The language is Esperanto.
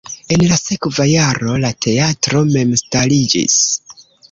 En la sekva jaro la teatro memstariĝis.